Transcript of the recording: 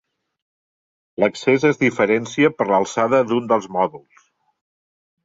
L'accés es diferencia per l'alçada d'un dels mòduls.